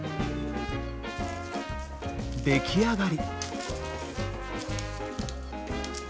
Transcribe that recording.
出来上がり！